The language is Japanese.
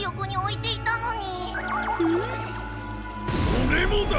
オレもだ！